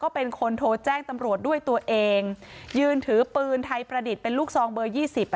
เป็นคนโทรแจ้งตำรวจด้วยตัวเองยืนถือปืนไทยประดิษฐ์เป็นลูกซองเบอร์ยี่สิบ